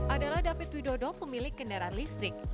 adalah david widodo pemilik kendaraan listrik